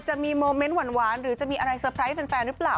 จะมีโมเมนต์หวานหรือจะมีอะไรเซอร์ไพรส์แฟนหรือเปล่า